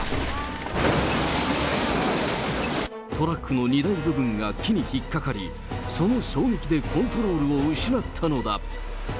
トラックの荷台部分が木に引っ掛かり、その衝撃でコントロールを失ったのだ。